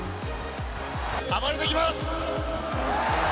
暴れてきます！